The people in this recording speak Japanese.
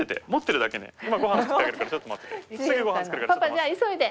パパじゃあ急いで。